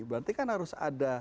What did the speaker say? berarti kan harus ada